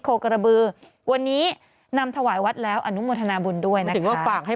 กระบือวันนี้นำถวายวัดแล้วอนุโมทนาบุญด้วยนะคะ